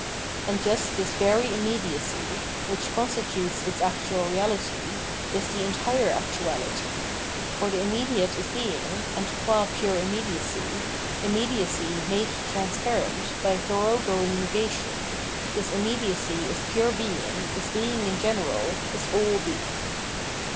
And just this very immediacy, which constitutes its actual reality, is the entice actuahty; for the immediate is being, and qm pure i mm ediacy, immediacy made transparent by thoroughgoing nega tion, this immediacy is pure being, is being m general, is all being.